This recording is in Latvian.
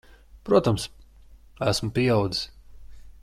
Protams. Esmu pieaudzis.